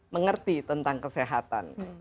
mengerti tentang kesehatan